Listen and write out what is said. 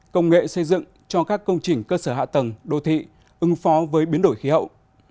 công nghệ xây dựng cho các công trình cơ sở hạ tầng đô thị ứng phó với biến đổi khí hậu